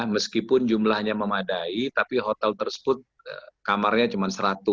meskipun jumlahnya memadai tapi hotel tersebut kamarnya cuma seratus